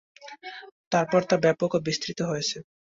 তারপর তা ব্যাপক ও বিস্তৃত হয়েছে।